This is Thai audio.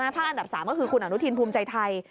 อันดับ๓ก็คือคุณอนุทินภูมิใจไทย